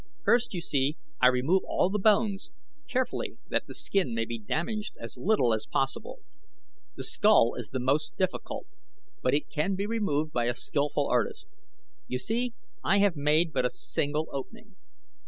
First, you see, I remove all the bones, carefully that the skin may be damaged as little as possible. The skull is the most difficult, but it can be removed by a skilful artist. You see, I have made but a single opening.